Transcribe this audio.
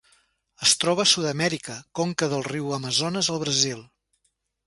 Es troba a Sud-amèrica: conca del riu Amazones al Brasil.